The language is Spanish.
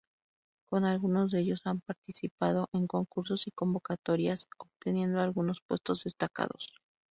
Con algunos de ellos ha participado en concursos y convocatorias, obteniendo algunos puestos destacados.